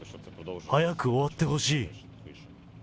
早く終わってほしい。